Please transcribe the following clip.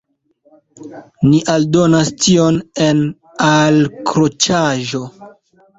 Ni aldonas tion en alkroĉaĵo.